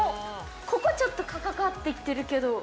ここちょっとカカカって行ってるけど。